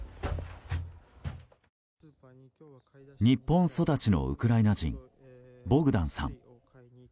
日本育ちのウクライナ人ボグダンさん。